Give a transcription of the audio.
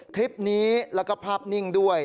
คลิปนี้แล้วก็ภาพนิ่งด้วย